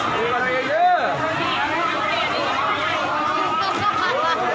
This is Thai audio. ดูประเทศไทยเย็นเยื่อ